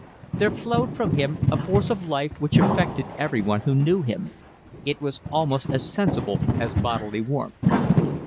There flowed from him a force of life which affected everyone who knew him; it was almost as sensible as bodily warmth.